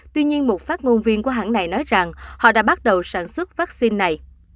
tuy nhiên một phát ngôn viên của hãng này nói rằng họ đã bắt đầu sản xuất vaccine này